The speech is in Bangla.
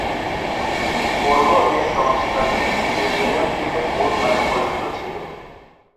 পূর্ব এ সংস্থাটি নিউজিল্যান্ড ক্রিকেট বোর্ড নামে পরিচিত ছিল।